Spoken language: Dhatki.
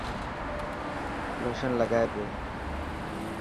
لوشن لگائي پيو.